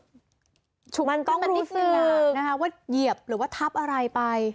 มันต้องรู้สึกมันต้องรู้สึกนะคะว่าเหยียบหรือว่าทับอะไรไป